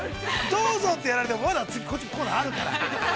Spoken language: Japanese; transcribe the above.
どうぞってやられてもまだコーナーがあるから。